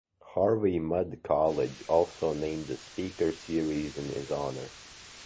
Harvey Mudd College also named a speaker series in his honor.